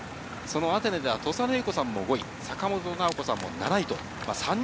そのアテネでは土佐礼子さんも５位、坂本直子さんも７位。